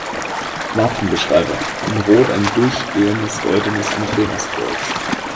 Wappenbeschreibung: In Rot ein durchgehendes goldenes Andreaskreuz.